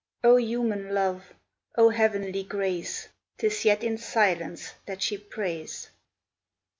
Oh human love! Oh heavenly grace! 'Tis yet in silence that she prays!